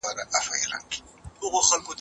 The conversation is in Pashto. څنګه خپل فکر د کار او پرمختګ لوري ته سوق کړو؟